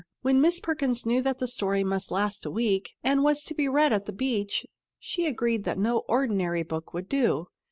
When Miss Perkins knew that the story must last a week and was to be read at the beach, she agreed that no ordinary book would do.